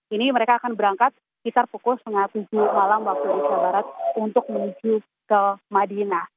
ini mereka akan berangkat sekitar pukul setengah tujuh malam waktu indonesia barat untuk menuju ke madinah